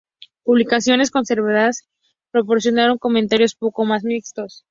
Publicaciones conservadoras proporcionaron comentarios poco más mixtos.